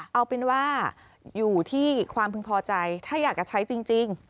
เอาเป็นว่าอยู่ที่ความพึงพอใจถ้าอยากจะใช้จริง